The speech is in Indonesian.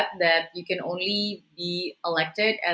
kamu hanya bisa dikeluarkan